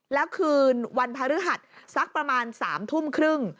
แล้วคืนวันพระฤหัสสักประมาณ๓ทุ่มครึ่ง